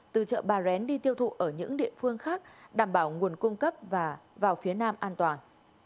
từ chợ bà rén đi tiêu thụ ở những địa phương khác đảm bảo nguồn cung cấp và vào phía nam an toàn